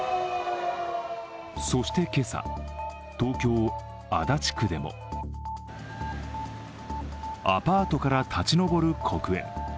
そして今朝、東京・足立区でもアパートから立ち上る黒煙。